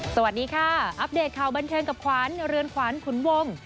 สวัสดีค่ะอัปเดตข่าวบันเทิงกับขวัญเรือนขวัญขุนวง